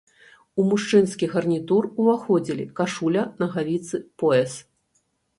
У мужчынскі гарнітур уваходзілі кашуля, нагавіцы, пояс.